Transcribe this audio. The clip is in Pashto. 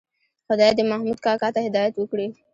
خدای دې محمود کاکا ته هدایت وکړي.